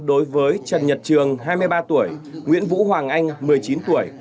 đối với trần nhật trường hai mươi ba tuổi nguyễn vũ hoàng anh một mươi chín tuổi